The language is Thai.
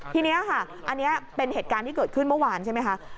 ทีนี้ค่ะอันนี้เป็นเหตุการณ์ที่เกิดขึ้นเมื่อวานใช่ไหมคะ